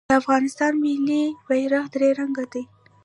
د افغانستان ملي بیرغ درې رنګه دی